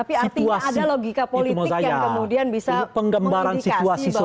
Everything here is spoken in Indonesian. itu penggambaran situasi